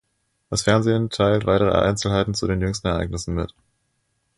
Das Fernsehen teilt weitere Einzelheiten zu den jüngsten Ereignissen mit.